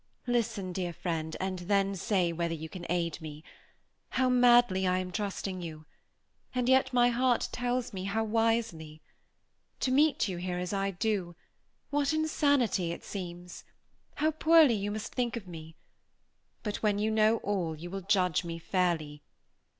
"Listen, dear friend, and then say whether you can aid me. How madly I am trusting you; and yet my heart tells me how wisely! To meet you here as I do what insanity it seems! How poorly you must think of me! But when you know all, you will judge me fairly.